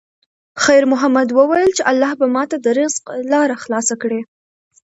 خیر محمد وویل چې الله به ماته د رزق لاره خلاصه کړي.